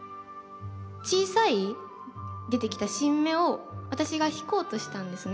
小さい出てきた新芽を私が引こうとしたんですね。